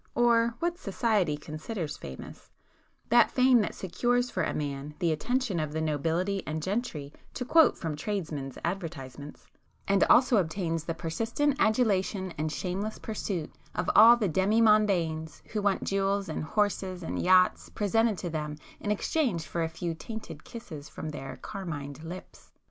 —or what society considers famous,—that fame that secures for a man the attention of 'the nobility and gentry,' to quote from tradesmen's advertisements,—and also obtains the persistent adulation and shameless pursuit of all the demi mondaines who want jewels and horses and yachts presented to them in exchange for a few tainted kisses from their carmined lips.